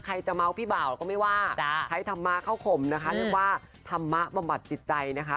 ใครจะเมาส์พี่บ่าวก็ไม่ว่าใช้ธรรมะเข้าขมนะคะธรรมะประมาทจิตใจนะคะ